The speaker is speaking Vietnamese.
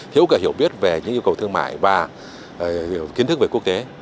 thiếu cả hiểu biết về những yêu cầu thương mại và kiến thức về quốc tế